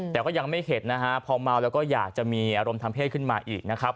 แต่ก็ยังไม่เห็นนะฮะพอเมาแล้วก็อยากจะมีอารมณ์ทางเพศขึ้นมาอีกนะครับ